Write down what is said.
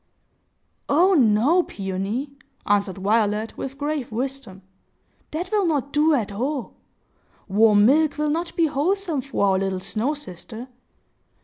"Oh no, Peony!" answered Violet, with grave wisdom. "That will not do at all. Warm milk will not be wholesome for our little snow sister.